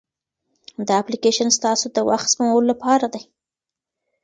دا اپلیکیشن ستاسو د وخت سپمولو لپاره دی.